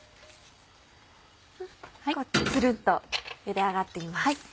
ツルンと茹で上がっています。